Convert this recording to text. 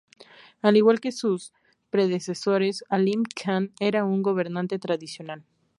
Al igual que sus predecesores, Alim Khan era un gobernante tradicional.